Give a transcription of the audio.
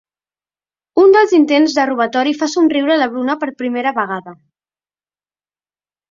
Un dels intents de robatori fa somriure la Bruna per primera vegada.